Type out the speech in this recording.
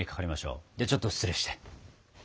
ではちょっと失礼して。